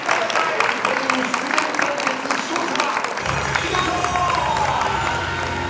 コイン出現対決勝者は高重翔。